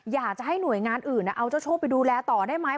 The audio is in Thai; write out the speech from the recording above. อยากจะให้หน่วยงานอื่นเอาเจ้าโชคไปดูแลต่อได้ไหม